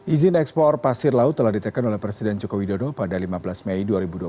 izin ekspor pasir laut telah ditekan oleh presiden joko widodo pada lima belas mei dua ribu dua puluh